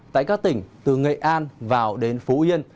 tại các tỉnh từ nghệ an vào đến phú yên